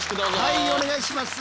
はいお願いします！